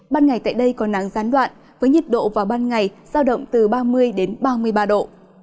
ban ngày tại đây có nắng gián đoạn với nhiệt độ vào ban ngày giao động từ ba mươi đến ba mươi ba độ